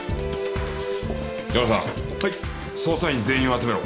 ヤマさん捜査員全員を集めろ。